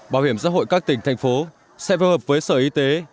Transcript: bảo hiểm xã hội các tỉnh thành phố sẽ phối hợp với sở y tế